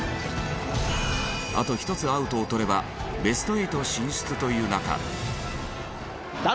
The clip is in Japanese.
あと１つアウトを取ればベスト８進出という中。